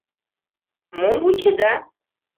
— Мом вучеда?